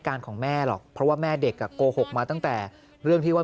ของแม่หรอกเพราะว่าแม่เด็กอ่ะโกหกมาตั้งแต่เรื่องที่ว่า